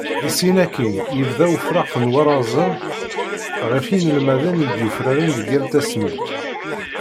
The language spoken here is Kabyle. Syin akkin, yebda ufraq n warrazen ɣef yinelmaden i d-yufraren deg yal tasmilt.